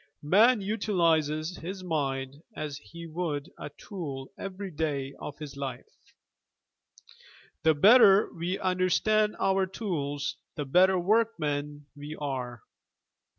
Man utilizes his mind as he would a tool every day of his life. The better we understand our tools the better workmen we are.